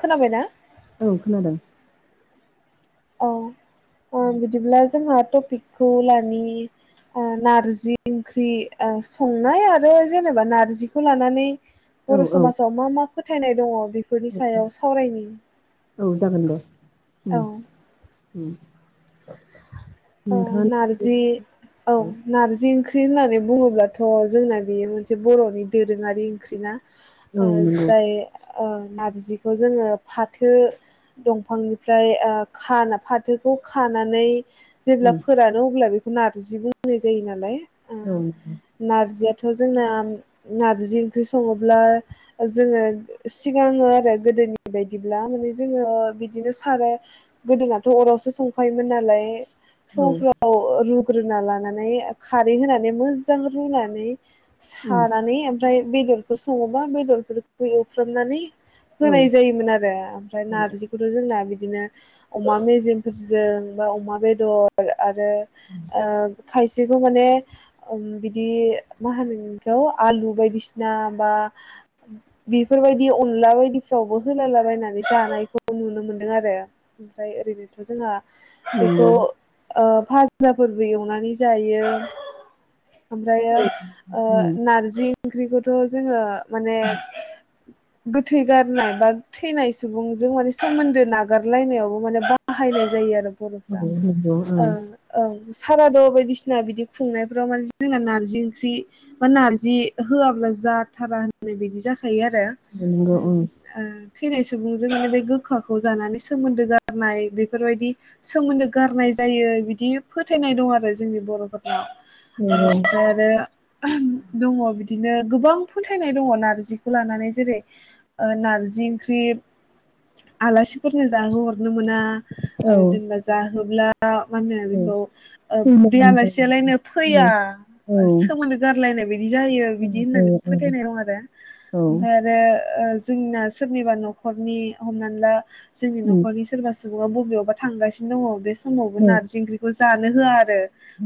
खोनाबायना औ खोनादों। औ। बिदिब्ला जोंहा टपिकखौ लानि नारजि ओंख्रि संनाय आरो जेनेबा नार्जिखौ लानानै औ परस औ मास मा मा फोथायनाय दङ बेफोरनि सायाव सावरायनि। औ जागोन दे। औ। उम उम। नोंथाङा औ नारजि औ नारजि। ओंख्रि होननानै बुङोब्लाथ' जोंना बे मोनसे बर'नि दोरोङारि ओंख्रि ना? ओयो नंगौ जायो। ओयो नारजिखौ जोङो फाथो दंफांनिफ्राय ओयो खान फाथोखौ खानानै जेब्ला उम फोरानो अब्ला बिफ नारजि बुंनाय जायो नालाय। औ ओम उम नारजिया थ जोंना नारजि ओंख्रि सङोब्ला जोङो सिगाङो आरो गोदोनि बायदिब्ला माने जोङो बिदिनो सारो गोदोनाथ' अरावसो संखायोमोन नालाय। औ थौफ्राव ओ रु। रुना लानानै ओ खारै होनानै मोजां रुनानै। सानानै ओम ओमफ्राय बेदरखौ सङोबा बेदरफोरखौ एवफ्रामनानै होनाय जायोमोन आरो ओमफ्राय नारजिखौथ' जोंना बिद बिदिनो अमा मेजेमफोरजों बा अमा बेद दलो आरो ओम। खायसेखौ माने ओम बिदि मा होनोबिखौ आलु बायदिसिना बा बिफोरबायदि अनला बायदिफ्रावबो होला लाबायनानै जानायखौ नुनो मोनदों आरो उमफ्राय ओरैनोथ' जोंहा। नोंगौ। ओयो फाजाफोरबो एवनानै जायो। ओमफ्रायो औ ओयो उम नारजि। ओंख्रिखौथ' जोङो। माने। गोथै गारनाय बा थैनाय सुबुंजों माने सोमोन्दो नागारलायनायावबो माने बाहायनाय जायो आरो। औ बरफ्रा। नंगौ ओं ओं। साराद' बायदिसिना बिदि खुंनायफ्राव मानसि जोंना नार्जि ओंख्रि बा नार्जि होआब्ला जाथारा होननाय बायदि जाख थायो आरो नंगौ उम ओं ओं थैनाय सुबुंजों माने गोखाखौ जानानै सोमोन्दो गारनाय बेफोरबायदि सोमोन्दो गारनाय जा जायो बिदि फोथायनाय दं आरो जोंनि बर'फोरनाव। नंगौ। ओहोम दङ बिदिनो गोबां फोथायनाय दङ नारजिखौ लानानै जेरै ओयो नारजि ओंख्रि आलासिफोरनो जाहो हरबा नु मोना औ ओयो जेनेबा जा होब्ला दा मा होनो औ बिखौ ओब बे सैमानि जायो आलासियालायनो औ फैया औ सोमोन्दो गारलायनाय बायदि जायो बिदि औ होननानै फोथायनाय दं आरो औ ओमफ्राय आरो ओयो जोंना सोरनिबा न'खरनि हमनानै ला जोंनि उम न'खरनि सोरबा सु सुबुङा बबेयावबा थांगासिनो दङ बेस समावबो औ नार्जि ओंख्रिखौ ज जानो होआर रो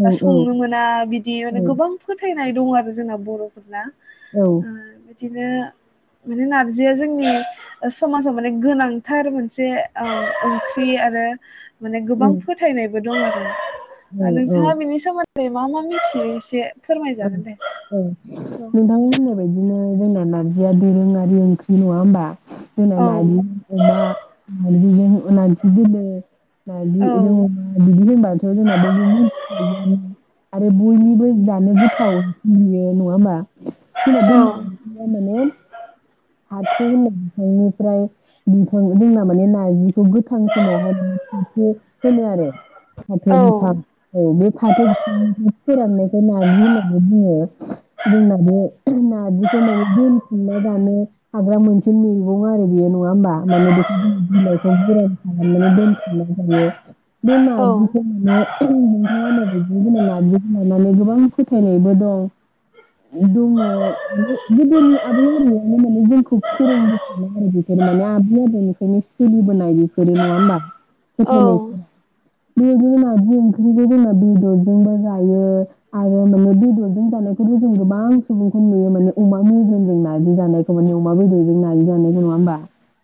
बा औ औ संनो मोना बिदि गोबां फोथाय होननाय दं आरो जोंना बर'फोरना। औ ओ बिदिनो माने नारजिया जोंनि समाजाव माने गोनांथार मोनसे ओ ओंख्रि आरो माने गोबां उम नायबो दं [unintelligible] ओ औ औ नोंथाङा बिनि सोमोन्दै दैे मा-मा मिथियो इसे ओं-ओं नोंथांनि होननाय बायदिनो जोंना नारजिया दोरोङारि ओंख्रि नङा होनबा? जोंना औ नारजिजों अमा नारजिजों अनांसि दिल [unintelligible] औ नारजिजों अमा बिदि होनबथ' जोंना बयबो मिनथि खायो [unintelligible] आरो बयनिबो जा नो गोथाव नुयो नङा होमबा? बिनाब [unintelligible] मया माने फाथो होननाय बिफांनिफ्राय बिफां जोंना माने नार्जिखौ गोथां समावहाय माने [unintelligible] फाथो होनो आरो। फाथो औ बिफां औ बे फाथो बिफांनिफ्राय फोराननायखौ नारजि होननानै बुङो जोंना बे नारजिखौ माने दोनथुमना जानो हाग्रा मोनसे मैगं आरो बेयो नङा होमबा माने बेखौ बिलाइखौ गोरान खालामनानै दोनथुमनानै जायो बे औ नारजिखौ माने नोंथाङा माबादि होनो नारजिखौ लानानै गोबां फोथायनायबो दं दङ गो -गोदोनि आबै आबौवानो जोंखौ फोरों आरो बेफोर माने आबै आबौनिफ्रायनो सोलिबोनाय बेफोरो नङा होबा औ फोथायनायफोरा बे ज नारजि ओंख्रिखौ जोंना बेदरजोंबो जायो आरो माने बेदरजों जानायखौथ' जों गोबां सुबुंखौ नुयो माने अमा मिजेमजों नारजि जानाय न अमा बेदरजों नारजि जानायखौ नङा होनोमबा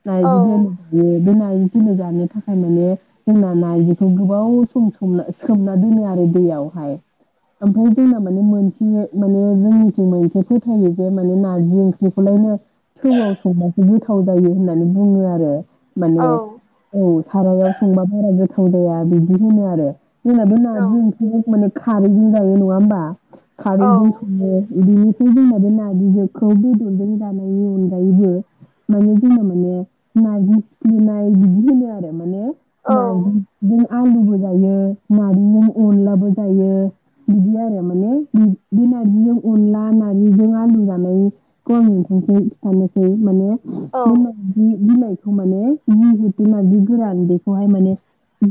नाय बिदिनो माने बे [unintelligible] जानो थाखाय माने जोंना नार्जिखौ गोबाव सम सोमना-सोमना दोनो आरो दैयावहाय ओमफ्राय जोंना माने मोनसे माने जोंनिखि मोनसे फोथायो जे माने नार्जि ओंख्रिखौलायनो थौआव संबासो गोथाव जायो होननानै बुङो आरो माने औ औ सारायाव संबा बारा गोथां जाया बिदि होनो आरो जोंनाबो बे औ नारजि माने खारैजों जायो बे नङा होमबा औ खारैदों औ सोङो इदिनो थि जोंना बो नारजिखौ बेदरजों जानो जानायनि अनगायैबो माने जोंना माने नार्जि सिफ्लेनाय बिदि होनो आरो माने नारजिजों आलुबो जायो नारजिजों अनलाबो जायो बिदि आरो माने बे नार्जिजों अनला नार्जिजों आलु जानाय गमन्ट [unintelligible] बे ननि बिलाइ खौ माने जि जिथु नारजि गोरान बेखौहाय माने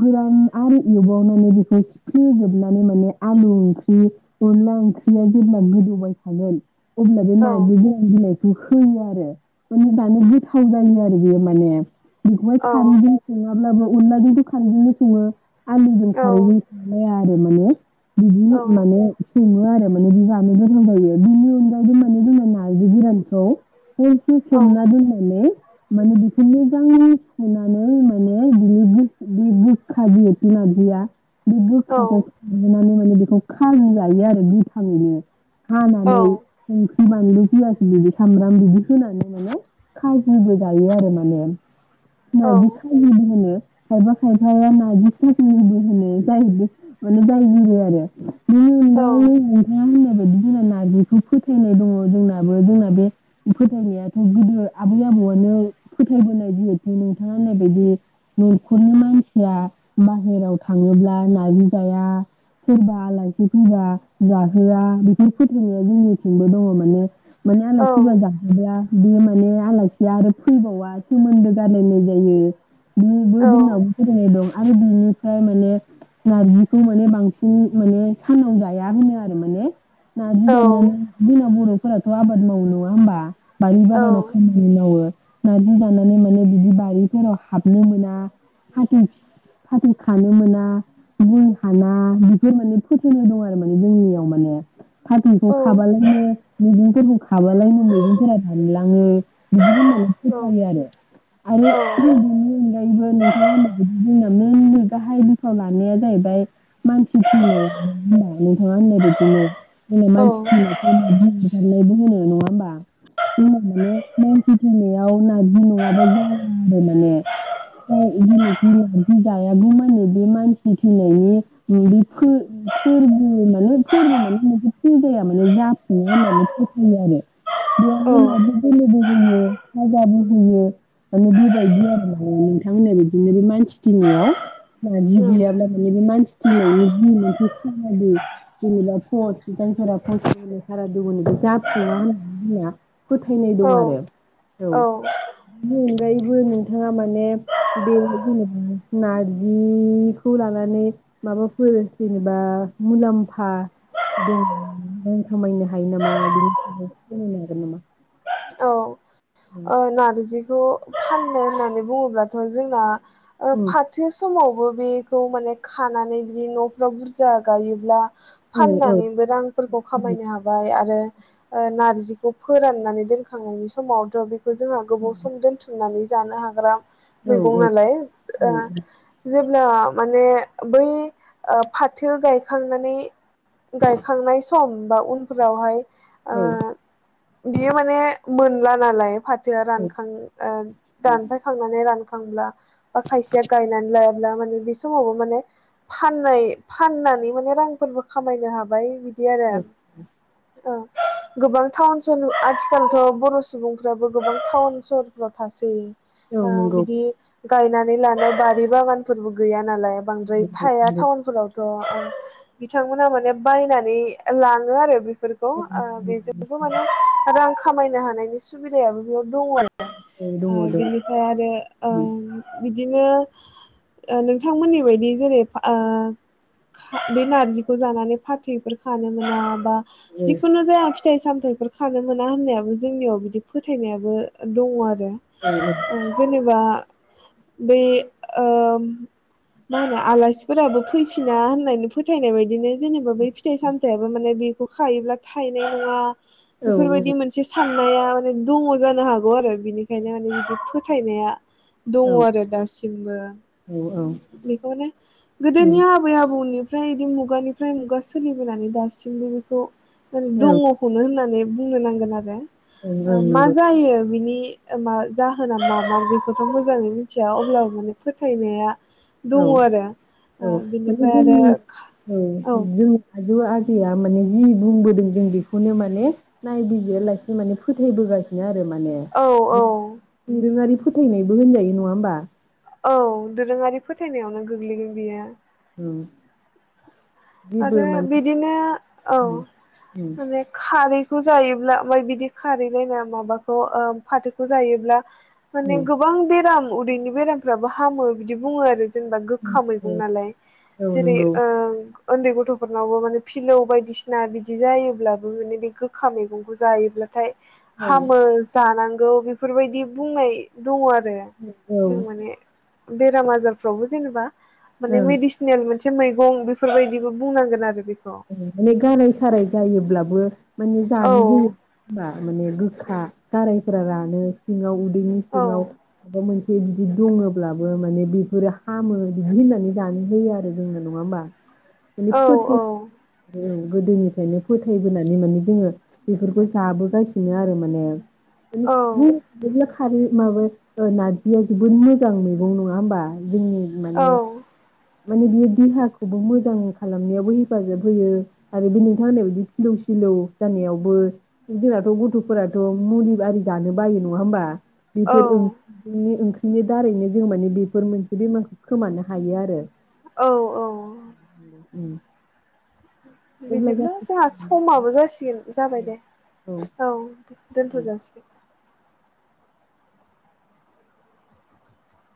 गोरान आरो एवावनानै बेखौ सिप्रे जोबनानै माने आलु ओंख्रि अनदला ओंख्रिया जेब्ला गोदौबाय थागोन अब्ला बे नारजि गोरान बिलाइ होयो आरो माने दानो गोथाव जायो आरो बेयो माने बेखौहाय खारजों सङाब्लाबो अनलाजोंथ' खारै जों सङो आलुजों खारैजों [unintelligible] आरो माने बिदि माने सङो आरो माने बि जानो गोथाव जायो बिनि अनगावबो मोने जोंना नारजि गोरान खौ हरसे सोमना दोननानै माने बेखौ मोजाङै सुनानै माने बिनि गोस बे गोख्खा जिहेथु नारजियाबियो बिमार बिया बे गोोखाखौ खनानै माने बेखौ ख लायो आरो गोथाङैनो हानानै ओं बानलु पियाज लोगोसे सामब्राम बिदि होनानै माने खाजिबो जायो आरो माने औ [unintelligible] खायबा खायफाया ना [unintelligible] औ बदि जोंना नारजिखौ फोथायनाय दङ जोंनाबो जोंना बे फोथायनायाथ' गोदो आबै आबौआनो फोथायबोनाय जिहेथु नोंथाङा नायबायायदि न'खरनि मानसिया बाहेराव थाङोब्ला ना जाया सोरबा आलाइसि फैबा जाहोआ बेफोर फोथाइनाया जोंनिथिंबो दङ माने मानाने औ [unintelligible] बे माने आलासिया आरो फैबावा सोमोन्दो गारलायनाय जायो बो औ जोंनावबो फोथाइनाय दं आरो बिनिफ्राय माने नारजिखौ माने बांसिन माने सानाव जाया होनो आरो माने नार्जि औ ओ नारजिखौ जानानै बि बर'फोराथ'आबाद मावो न'आ होमबा बारि बागानाव खामानि मावो नार्जि दाननानै माने बिदि बारिफोराव हाबनो मोना फाथै-फाथै खानो मोना गय हाना बेफोर माने फोथायनाय दं आरो माने जोंनियाव माने फारथैखौ खाबालायनो मैगंफोरखौ खाबा लायनो मैगंफोरा रानलाङो बिदि होनना फोथायो आरो आरो फाननो बेनि अनगा बो नोंथाङा होननाय जोंना मेनलि गाहाय बिफाव लानाया जाहैबाय मानसि थैनाया होना नोंथाङा होननाय बिदिनो जोंना मानसि थैनायखौ बुंनाय होनो नङ होमबा जोंना माने मानसि थैनायाव नारजि नङाबा जाया आरो माने जेनोखि नारजि जायाबो माने बे मानसि थैनायनि बेनि फो-फोरबो माने फोरबो माने मोन फुजाया माने जाफुङो होननानै फोथायो आरो। बेयावहाय नार्जि दोबोलोबो होयो फाजाबो होयो माने बेबायदि आरो माने नोंथांमोना बिदिनो बे मानसि थैनायाव नार्जि बिलाइया मा मोनोमोन बे मानस फिनायनि जि मोनसे सारादु जेनेबा फस फिथाइफोरा फस होननाय सारादु होनोबा जाफुङा होन दि होनना फोथायनाय दं आरो औ बेनि अनगायैबो नोंथाङा माने बे जेनेबा नारजिखौ लानानै माबाफोर जेनेबा मुलाम्फा दं रां खामायनो हायो नामा बिनि फोरमायनो हागोन नामा? अ। औ नारजि। खौ खाननो होननानै बुङोब्लाथ' जोंना ओ औ फाथो समाव बो बेखौ माने खानानै बिदि न'फ्राव बुरजा गायोब्ला औ फाननानैबो रांफोरखौ खामायनो हाबाय आरो ओ नारजिखौ फोराननानै दोनख थांनायनि समावथ' बे खौ जोंहा गोबाव सम दोन्थुमनानै जानो हाग्रा औ मैगं नालाय ओ जे अब्ला माने बै ओ फाथो गायखांनानै गायखांनाय सम बा उनफोरावहाय ओ औ औ बियो माने मोनला नालाय फाथ रानखांयो ओ दानफायखांनानै रान खांब्ला बा खायसेया गायनानै लायाब्ला माने बे समावबो माने फाननाय फाननानै माने रांफोरबो खामायनो हाबाय बिद बिदि आरो ओ गोबां टाउन सह आथिखालथ' बर' सुबुंफ्राबो गोबां टाउन सहरफ्राव थासै। औ ओ नंगौ नंगौ बिदि गायनानै लानाय बारि बागानफोरबो गैया। नालाय बांद्राय थाया टाउन फोराव। थ' बिथांमोना माने बायनानै लाङो आरो बिफ फोरखौ ओ बेजोंबो माने रांख खानायनो हान नायनि सुबिदायाबो बेयाव दङआरो औ दङ दङ औ ओ बिनिफ्राय आरो ओ बिद बिदिनो ओ नोंथांमोननि बायदि जेरै फा-ओ खा-बे नारजिखौ जानानै फाथैफोर खानो मोना बा जिखुनु जाया फिथ फिथाइ सामथायफोर खानो मोना होननायाबो जो जोंनियाव बिदि फोथायनायाबो दङ आरो रो औ ओ जेनेबा बे ओ मा होनो आलासिफोराबो फैफिना होननानै फोथायनाय बायदिनो जेनेबा बै फिथाइ सामथायाइाबो माने बे खौ खायोब्ला थायनाय नङा औ बेफोरबायदि मोनसे सा नाया माने दङ जानो हागौ आरो बिनिखायनो माने बिदि फो फोथायनाया दङ आरो दासिमबो औ बेखौनो गोदोनि आबै आबौनि ओमफ्राय बिदि मुगानिफ्राय मुगा सोलिबोनानै दासिमबो बेखौ दङखौनो होननानै बुंनो नांगोन आरो ओ औ मा नंगौ जायो बिनि मा जाहोना मा मा बेखौथ मोजाङै मिथिया अब्लाबो बे फोथायनाया दङ औ आरो औ माने बिनिफ्राय आरो जोंनि औ औ जों जौ आजैया माने जि बुंबोदों जों बेखौनो माने नायबिजिरयालासे माने फोथायबोगासिनो आरो माने औ औ माने दोरोङारि फो फोथायनायबो होनजायो नङा होमबा औ दोरोङारि फोथायनायावनो गोग्लैगोन बियो ओ आरो बिदिनो औ उम उम माने खारै खौ जायोब्ला ओमफ्राय बिदि खारैलाय माबाखौ फाथोखौ जायोब्ला माने उम गोबां बेराम उदैनि बेरामफ्राबो हामो बिदि बुङो आरो जेनेबा गोखा मैगं नालाय औ औ जेरै नंगौ ओ ओन्दै गथ'फोरनावबो माने फिलौ बायदिसिना बिदि जायोब्लाबो माने बे गोखा मैगंखौ जायोब्लाथाय औ हामो जानां गौ बेफोर बायदि बुंनाय दङ आर रो औ जों माने बेराम आजारफ्रावबो जेनेबा माने ओं मेडिसिनेल मोनसे मैगं बे फोर बायदिबो बुंनांगोन आरो बे माने गाराय साराय जायोब्लाबो माने औ जानो होयो [unintelligible] माने गारायफोरा रानो सिङाव बेनि सिङाव औ बबेबा मोन से बिदि दङब्लाबो माने बेफोरो हामो बिदि होननानै जानो होयो आरो जोंना नङाहोम्बा? औ बेनि फोथै नाय गोदोनिफ्रायनो फोथायबोनानै माने जोङो बेफोरखौ जाबोगासिनो आरो माने। औ [unintelligible] खारै माबा नारजिया जोबोद मोजां मैगं नङा होमबा? जोंनि माने माने बियो देहाखौबो मोजां खालामनायावबो हेफाजाब होयो आरो बे नोंथां होननाय बायदि फिलौ सिलौ जानायावबो जोंनाथ' गथ'फोराथ' मुलि आरि जानो बायो नङा होमबा? औ बेफोर ओंख्रि ओंख्रि बिनि दारैनो जों माने बेफोर मोनसे बेमारखौ खोमानो हायो आरो। औ औ उम अब्ला बिदिब्ला जोंहा समाबो जासिगोन जासिगोन जाबाय दे औ। दोनथ' उम। जासिगोन। [inaudible]